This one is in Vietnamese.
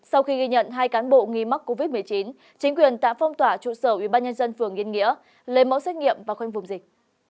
hai cán bộ nghi mắc covid một mươi chín chính quyền tạm phong tỏa trụ sở ủy ban nhân dân phường yên nghĩa lấy mẫu xét nghiệm và khuyên vùng dịch